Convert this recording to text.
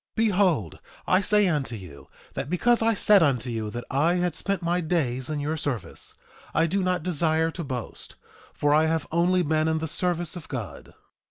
2:16 Behold, I say unto you that because I said unto you that I had spent my days in your service, I do not desire to boast, for I have only been in the service of God.